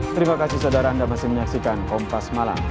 terima kasih saudara anda masih menyaksikan kompas malam